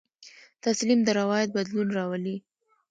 تسلیم د روایت بدلون راولي.